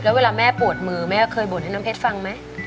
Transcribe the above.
แล้วเวลาแม่ปวดมือแม่เคยบ่นให้น้ำเพชรฟังไหม